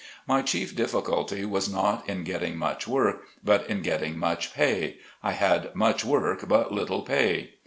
My chief difficulty was not in getting much work, but in getting much pay — I had much work but little pay.